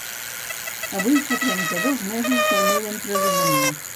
Avui fa trenta-dos mesos del meu empresonament.